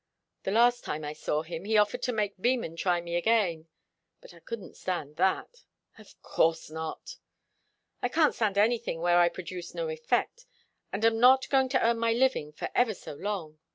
The last time I saw him, he offered to make Beman try me again. But I couldn't stand that." "Of course not." "I can't stand anything where I produce no effect, and am not to earn my living for ever so long.